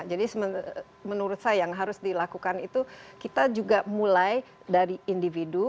jadi menurut saya yang harus dilakukan itu kita juga mulai dari individu